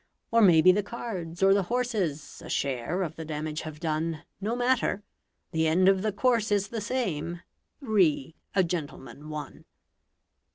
Or maybe the cards or the horses A share of the damage have done No matter; the end of the course is The same: "Re a Gentleman, One".